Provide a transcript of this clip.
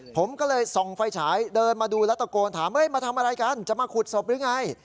ผมก็เลยส่องไฟฉายเดินมาดูแล้วตะโกนถามมาทำอะไรกันจะมาขุดศพหรือไง